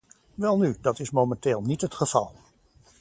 Welnu, dat is momenteel niet het geval.